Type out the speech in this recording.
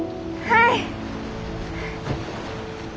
はい。